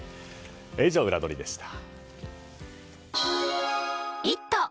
以上、ウラどりでした。